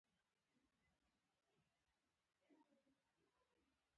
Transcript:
نوکر له سلمان سره یو ځای راستون شو او زما کوټې ته راغلل.